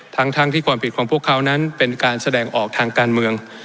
ทั้งที่ความผิดของพวกเขานั้นเป็นการแสดงออกทางการเมือง